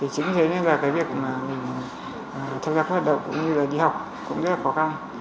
chính thế nên là cái việc mà mình tham gia các hoạt động cũng như là đi học cũng rất là khó khăn